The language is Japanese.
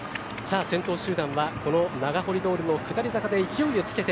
先頭集団はこの長堀通下り坂で勢いをつけて